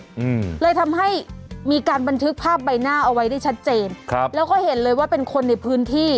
อืมเลยทำให้มีการบันทึกภาพใบหน้าเอาไว้ได้ชัดเจนครับแล้วก็เห็นเลยว่าเป็นคนในพื้นที่